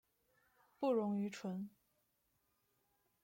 不溶于醇。